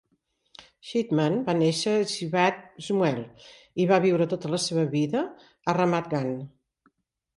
Chitman va néixer a Giv'at Shmuel i va viure tota la seva vida a Ramat Gan.